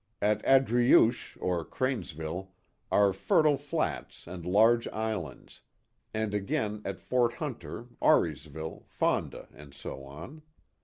At Adriuche, or Cranesville, are fertile flats and large islands, and again at Fort Hunter, Auriesville, Fonda, and so on.